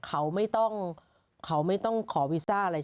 เขาให้เราเลือกรันใดอย่างหนึ่ง